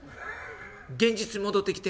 現実に戻ってきて。